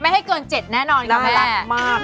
มาให้เกิน๗แน่นอนค่ะแม่น่ารักมากเลย